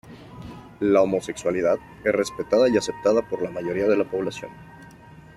La homosexualidad es respetada y aceptada por la mayoría de la población.